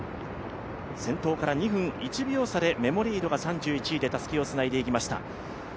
先頭から２分１秒差でメモリードが３１位でたすきをつないでいきました。